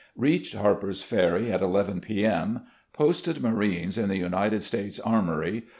"Reached Harper's Ferry at ii p. m. ... Posted marines in the United States Armory.